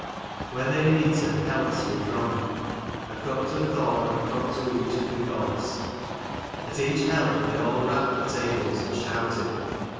When they had eaten, healths were drunk; a cup to Thor, and a cup to each of the gods. At each health they all rapped the tables and shouted.